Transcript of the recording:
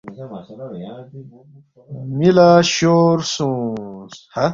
می لہ شور سونگس